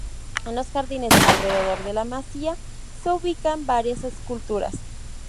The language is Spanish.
En los jardines alrededor de La Masía se ubican varias esculturas.